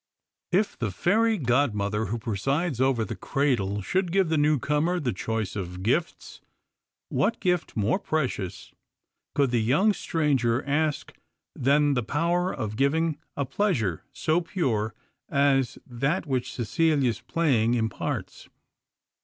If the fairy godmother who presides over the cradle should give the newcomer the choice of gifts, what gift more precious could the young stranger ask than the power of giving a pleasure so pure as that which Cecilia's playing imparts?